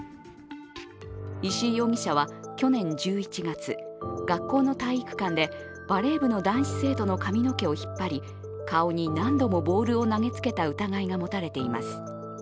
石井容疑者は、去年１１月学校の体育館でバレー部の男子生徒の髪の毛を引っ張り顔に何度もボールを投げつけた疑いが持たれています。